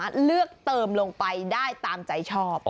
เติมลงไปได้ตามใจชอบ